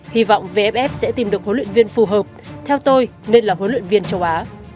hy vọng vff sẽ tìm được huấn luyện viên phù hợp theo tôi nên là huấn luyện viên châu á